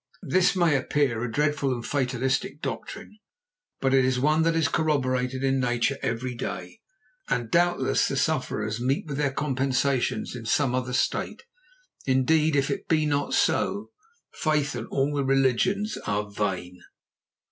This may appear a dreadful and fatalistic doctrine, but it is one that is corroborated in Nature every day, and doubtless the sufferers meet with their compensations in some other state. Indeed, if it be not so, faith and all the religions are vain.